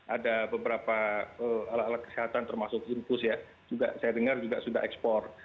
ada beberapa alat alat kesehatan termasuk zirkus saya dengar juga sudah ekspor